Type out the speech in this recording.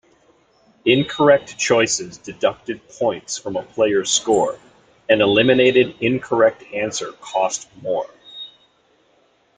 Incorrect choices deducted points from a player's score; an eliminated incorrect answer cost more.